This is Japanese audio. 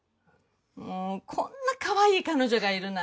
もうこんなかわいい彼女がいるなんて！